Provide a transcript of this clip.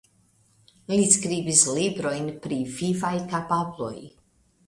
Li skribis librojn pri vivaj kapabloj.